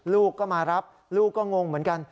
ลูกก็มารับลูกก็งงเหมือนกัน